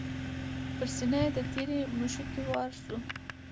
پر سینه یې د تیرې مشوکي وار سو